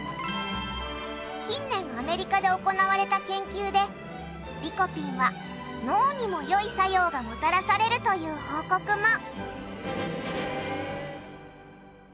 近年アメリカで行われた研究でリコピンは脳にも良い作用がもたらされるという報告も。